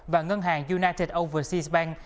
và ngân hàng united overseas bank